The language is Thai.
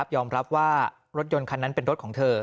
ยอมรับว่ารถยนต์คันนั้นเป็นรถของเธอ